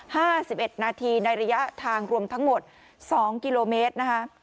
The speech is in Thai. ห้าสิบเอ็ดนาทีในระยะทางรวมทั้งหมดสองกิโลเมตรนะคะ